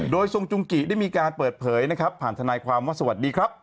โดยทรงจุงกิได้มีการเปิดเผยนะครับผ่านทนายความว่าสวัสดีครับ